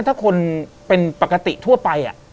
ถ้าคนเป็นปกติทั่วไป